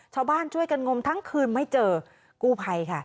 ชาวบ้านช่วยกันงมทั้งคืนไม่เจอกู้ภัยค่ะ